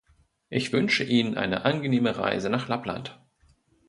Ich wünsche Ihnen eine angenehme Reise nach Lappland.